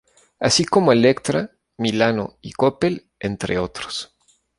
Así como Elektra, Milano y Coppel, entre otros.